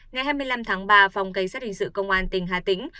ngày hai mươi năm tháng ba phòng cảnh sát hình sự công an tỉnh hà tĩnh